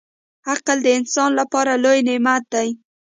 • عقل د انسان لپاره لوی نعمت دی.